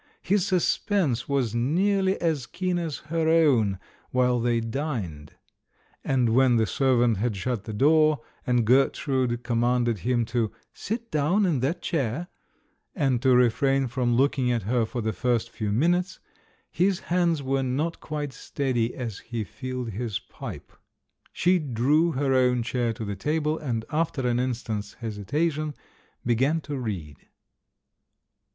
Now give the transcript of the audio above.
His suspense was nearly as keen as her own while they dined. And when the servant had shut the door, and Gertrude commanded him to "sit down in that chair," and to refrain from looking at her for the TIME, THE HUMORIST 287 first few minutes, his hands were not quite steady as he filled his pipe. She drew her own chair to the table, and after an instant's hesitation, began to read.